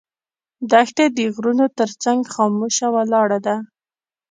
دښته د غرونو تر څنګ خاموشه ولاړه ده.